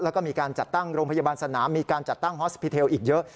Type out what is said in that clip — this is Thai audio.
แล้วก็มีการจัดตั้งโรงพยาบาลสนามมีการจัดตั้งฮอสพิเทลอีกเยอะ